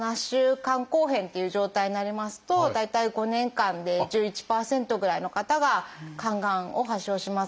肝硬変っていう状態になりますと大体５年間で１１％ぐらいの方が肝がんを発症します。